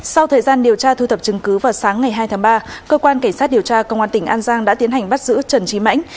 sau thời gian điều tra thu thập chứng cứ vào sáng ngày hai tháng ba cơ quan cảnh sát điều tra công an tỉnh an giang đã tiến hành bắt giữ trần trí mãnh